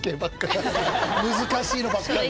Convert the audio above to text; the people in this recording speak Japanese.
・難しいのばっかり。